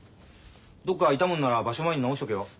どっか痛むんなら場所前に治しとけよ。